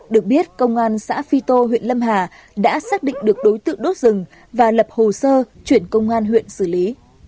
được biết công an xã phi tô huyện lâm hà đã xác định được đối tượng đốt rừng và lập hồ sơ chuyển công an huyện xử lý